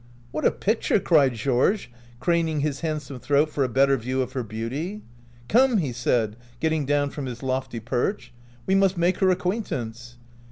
"What a picture!" cried Georges, cran ing his handsome throat for a better view of her beauty. " Come," he said, getting down from his lofty perch, "we must make her acquaintance."